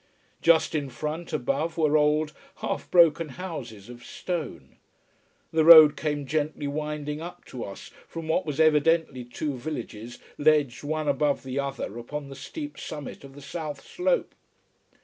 Just in front, above, were old, half broken houses of stone. The road came gently winding up to us, from what was evidently two villages ledged one above the other upon the steep summit of the south slope.